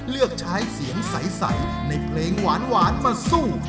เลือกใช้เสียงใสในเพลงหวานมาสู้